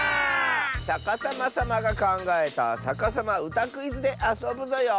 さかさまさまがかんがえた「さかさまうたクイズ」であそぶぞよ！